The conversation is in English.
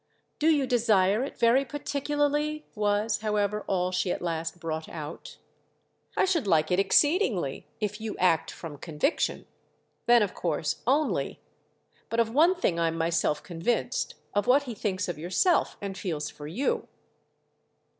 "Do you desire it very particularly?" was, however, all she at last brought out. "I should like it exceedingly—if you act from conviction. Then of course only; but of one thing I'm myself convinced—of what he thinks of yourself and feels for you."